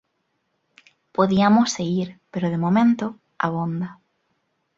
Podiamos seguir, pero de momento abonda.